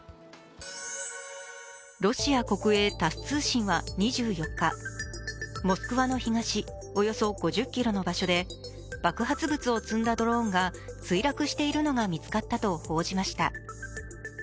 ロシア国営タス通信は２４日、モスクワの東およそ５０ｋｍの場所で爆発物を積んだドローンが墜落しているのが見つかったと報じました。